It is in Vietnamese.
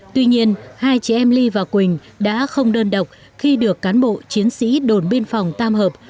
tuy nhiên hai chị em ly và quỳnh đã không đơn độc khi được cán bộ chiến sĩ đồn biên phòng tam hợp